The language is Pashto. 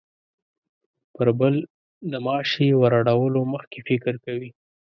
پر بل د ماشې وراړولو مخکې فکر کوي.